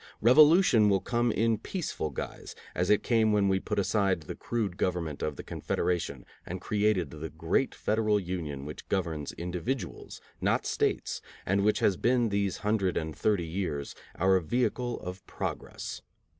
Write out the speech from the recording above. Revolution will come in peaceful guise, as it came when we put aside the crude government of the Confederation and created the great Federal Union which governs individuals, not States, and which has been these hundred and thirty years our vehicle of progress.